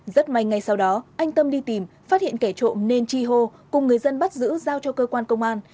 rất may ngay sau đó anh tâm đi tìm phát hiện kẻ trộm nên chi hô cùng người dân bắt giữ giao cho cơ quan công an